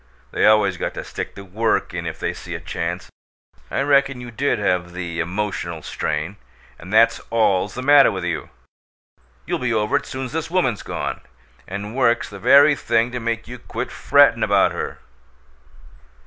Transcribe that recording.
They always got to stick the Work in if they see a chance! I reckon you did have the 'emotional strain,' and that's all's the matter with you. You'll be over it soon's this woman's gone, and Work's the very thing to make you quit frettin' about her."